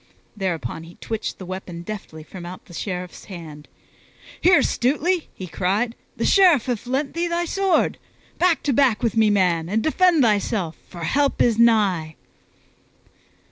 Thereupon he twitched the weapon deftly from out the Sheriff's hand, "Here, Stutely," he cried, "the Sheriff hath lent thee his sword! Back to back with me, man, and defend thyself, for help is nigh!"